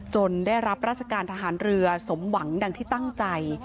ได้รับราชการทหารเรือสมหวังดังที่ตั้งใจ